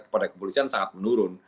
kepada kepolisian sangat menurun